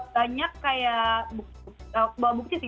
banyak kayak bukti sih